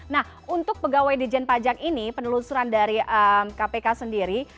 nah untuk pegawai dijen pajak ini penelusuran dari kpk sendiri